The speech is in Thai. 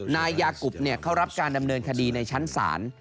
นายกุบเขารับการดำเนินคดีในชั้นศาล